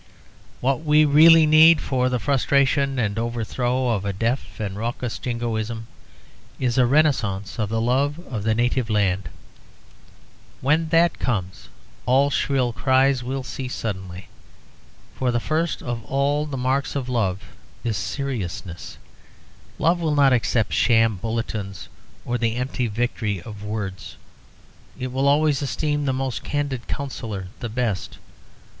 What we really need for the frustration and overthrow of a deaf and raucous Jingoism is a renascence of the love of the native land. When that comes, all shrill cries will cease suddenly. For the first of all the marks of love is seriousness: love will not accept sham bulletins or the empty victory of words. It will always esteem the most candid counsellor the best.